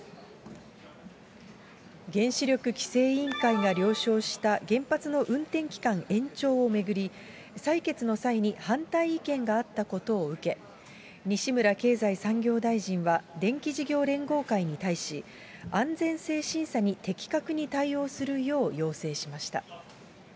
原子力規制委員会が了承した原発の運転期間延長を巡り、採決の際に反対意見があったことを受け、西村経済産業大臣は、電気事業連合会に対し、安全性審査に的確に対応するよう要請しました。